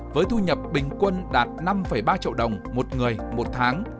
với thu nhập bình quân đạt năm ba triệu đồng một người một tháng